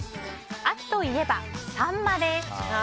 秋といえばサンマです。